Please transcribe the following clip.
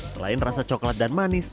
selain rasa coklat dan manis